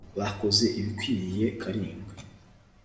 bakoze ibikwiriye kalinga